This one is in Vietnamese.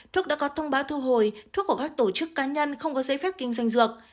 thuốc đã có thông báo thu hồi thuốc của các tổ chức cá nhân không có giấy phép kinh doanh dược